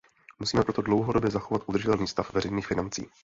Musíme proto dlouhodobě zachovat udržitelný stav veřejných financí.